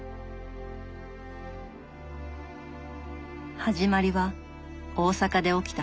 始まりは大阪で起きた殺人事件。